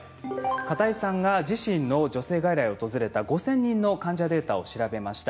片井さんが自身の女性外来を訪れた５０００人の患者データを調べました。